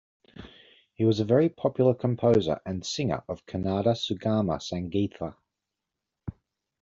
He was a very popular composer and singer of Kannada Sugama Sangeetha.